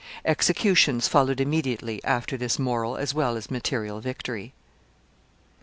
Executions followed immediately after this moral as well as material victory.